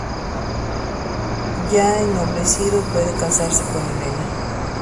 Ya ennoblecido, puede casarse con Elena.